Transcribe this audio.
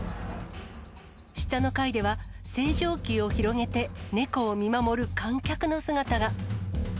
下の階では、星条旗を広げてネコを見守る観客の姿が。